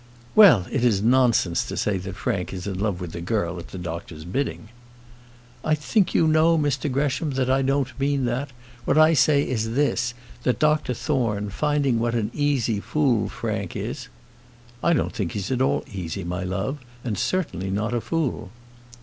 "Well, it is nonsense to say that Frank is in love with the girl at the doctor's bidding." "I think you know, Mr Gresham, that I don't mean that. What I say is this, that Dr Thorne, finding what an easy fool Frank is " "I don't think he's at all easy, my love; and certainly is not a fool."